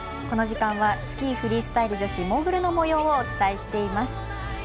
この時間はスキー・フリースタイル女子モーグルのもようをお伝えしています。